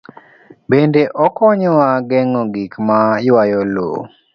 Bende okonyowa geng'o gik ma ywayo lowo.